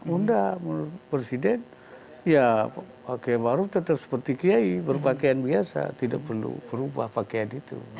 undang menurut presiden ya pakaian baru tetap seperti kiai berpakaian biasa tidak perlu berubah pakaian itu